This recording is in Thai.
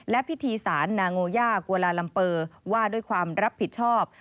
และพิธีศาลนาโงยากวาลาลัมเปอร์ว่าด้วยความรับผิดชอบ